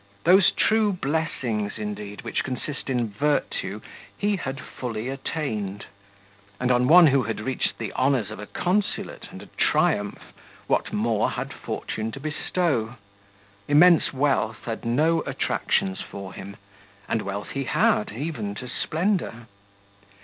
Those true blessings, indeed, which consist in virtue, he had fully attained; and on one who had reached the honours of a consulate and a triumph, what more had fortune to bestow? Immense wealth had no attractions for him, and wealth he had, even to splendour.